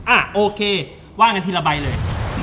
อ่ะโอเคว่างกันทีละใบเลย